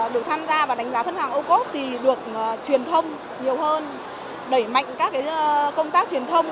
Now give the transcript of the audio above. được tham gia và đánh giá phân hàng âu cốt thì được truyền thông nhiều hơn đẩy mạnh các cái công tác truyền thông